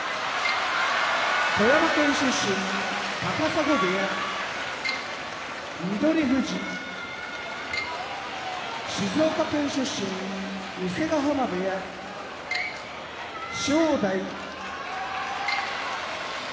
富山県出身高砂部屋翠富士静岡県出身伊勢ヶ濱部屋正代熊本県出身